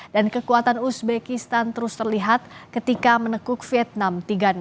dan kekuatan uzbekistan terus terlihat ketika menekuk vietnam tiga